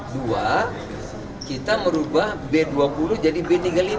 dua kita merubah b dua puluh jadi b tiga puluh lima